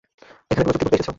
এখানে কোনো চুক্তি করতে এসেছ?